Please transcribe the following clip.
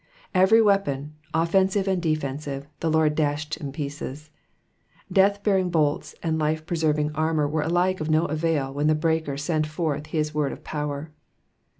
'^ Every weapon, offensive and defensive, the Lord dashed in pieces ; death bearing bolts and life preserving armour were alike of no avail when the Breaker sent forth his word of power.